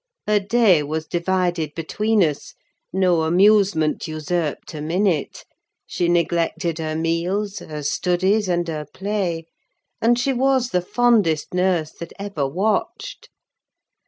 Her day was divided between us; no amusement usurped a minute: she neglected her meals, her studies, and her play; and she was the fondest nurse that ever watched.